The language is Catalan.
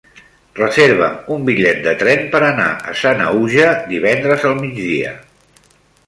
Reserva'm un bitllet de tren per anar a Sanaüja divendres al migdia.